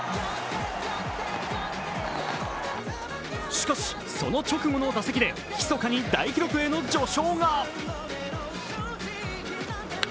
しかし、その直後の打席でひそかに大記録への序章が。